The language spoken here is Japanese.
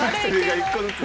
１個ずつね。